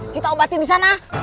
kita obatin di sana